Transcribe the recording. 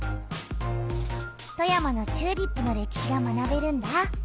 富山のチューリップの歴史が学べるんだ！